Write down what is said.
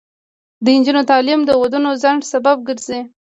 د نجونو تعلیم د ودونو ځنډ سبب ګرځي.